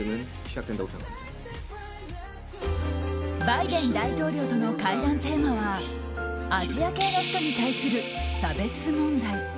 バイデン大統領との会談テーマはアジア系の人に対する差別問題。